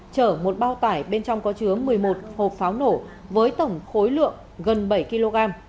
chở một bao tải bên trong có chứa một mươi một hộp pháo nổ với tổng khối lượng gần bảy kg